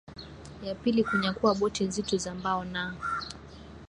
ya pili kunyakua boti nzito za mbao na